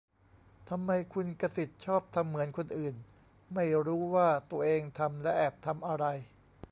ทำไมคุณกษิตชอบทำเหมือนคนอื่นไม่รู้ว่าตัวเองทำและแอบทำอะไร ?